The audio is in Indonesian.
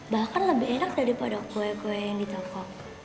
bahkan lebih enak daripada kue kue yang di toko